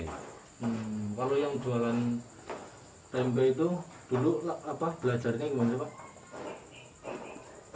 kalau yang jualan tempe itu dulu belajarnya gimana pak